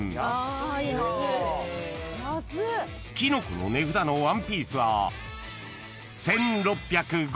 ［きのこの値札のワンピースは］